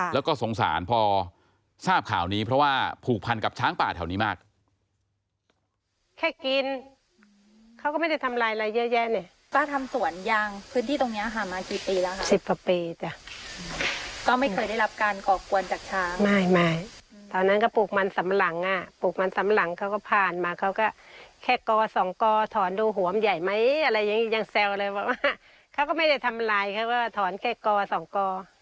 แล้วก็สงสารพอทราบข่าวนี้เพราะว่าผูกพันกับช้างป่าแถวนี้มาก